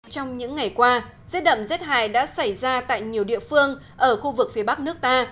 trong những ngày qua rét đậm rét hại đã xảy ra tại nhiều địa phương ở khu vực phía bắc nước ta